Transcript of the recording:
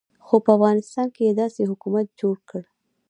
خو په افغانستان کې یې داسې حکومت جوړ کړ.